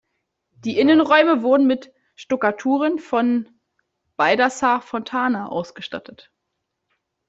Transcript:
Die Innenräume wurden mit Stuckaturen von Baldassare Fontana ausgestattet.